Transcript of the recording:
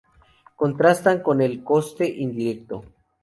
Contrastan con el coste indirecto.